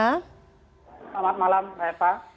selamat malam mbak eva